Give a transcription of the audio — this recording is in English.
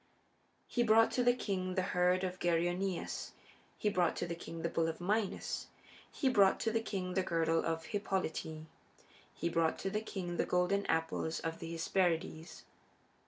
He brought to the king the herd of Geryoneus; he brought to the king the bull of Minos; he brought to the king the girdle of Hippolyte; he brought to the king the golden apples of the Hesperides.